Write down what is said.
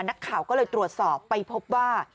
นักข่าวก็เลยตรวจสอบไปพบว่า